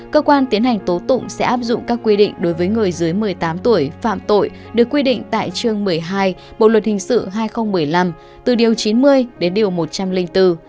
cơ quan tiến hành tố tụng sẽ áp dụng các quy định đối với người dưới một mươi tám tuổi phạm tội được quy định tại chương một mươi hai bộ luật hình sự hai nghìn một mươi năm từ điều chín mươi đến điều một trăm linh bốn